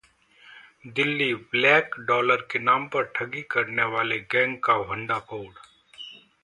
Delhi black dollar के नाम पर ठगी करने वाले गैंग का भंडाफोड़